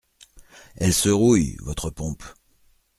Elle se rouille, votre pompe !